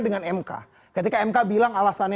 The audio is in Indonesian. dengan mk ketika mk bilang alasannya